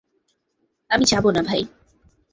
আমি যাবো না ভাই।